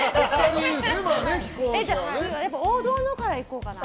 王道からいこうかな。